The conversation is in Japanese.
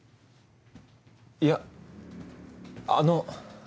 いやあの。